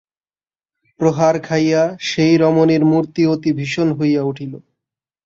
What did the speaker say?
প্রহার খাইয়া সেই রমণীর মূর্তি অতি ভীষণ হইয়া উঠিল।